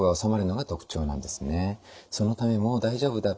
そのため「もう大丈夫だ」